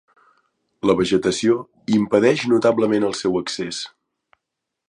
La vegetació impedeix notablement el seu accés.